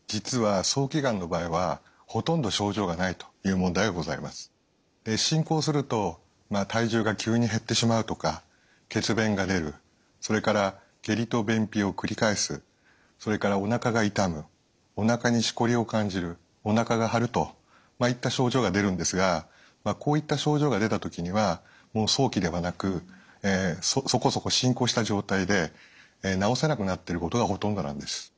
実は進行すると体重が急に減ってしまうとか血便が出るそれから下痢と便秘を繰り返すそれからおなかが痛むおなかにしこりを感じるおなかが張るといった症状が出るんですがこういった症状が出た時にはもう早期ではなくそこそこ進行した状態で治せなくなっていることがほとんどなんです。